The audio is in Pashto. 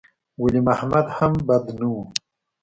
ولي محمد هم بد نه و.